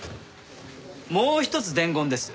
もう一つ伝言です。